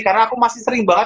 karena aku masih sering banget